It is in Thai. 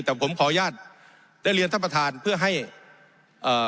แต่ผมขออนุญาตได้เรียนท่านประธานเพื่อให้เอ่อ